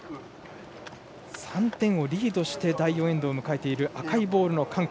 ３点リードして第４エンドを迎えた赤いボールの韓国。